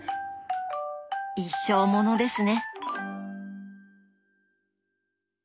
一生ものですね！